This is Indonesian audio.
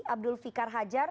abdul fikar hajar